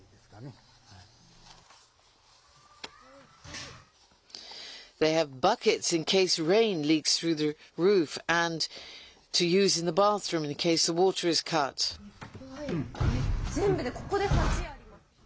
えっ、全部でここで８あります。